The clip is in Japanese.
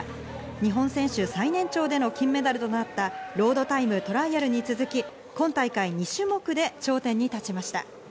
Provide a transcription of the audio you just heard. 日本選手最年長での金メダルとなったロードタイムトライアルに続き、今大会２種目で頂点に立ちました。